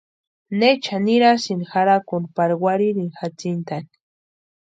¿Necha nirasïnki jarhakuni pari warhirini jatsintani?